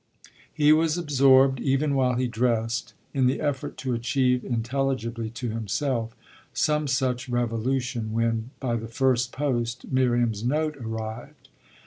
He was absorbed, even while he dressed, in the effort to achieve intelligibly to himself some such revolution when, by the first post, Miriam's note arrived.